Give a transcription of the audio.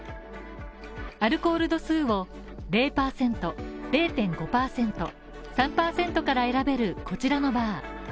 アルコール度数を０％、０．５％、３％から選べる、こちらのバー。